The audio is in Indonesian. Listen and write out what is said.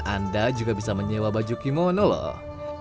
anda juga bisa menyewa baju kimono loh